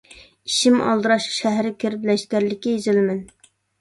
ئىشىم ئالدىراش، شەھەرگە كىرىپ لەشكەرلىككە يېزىلىمەن.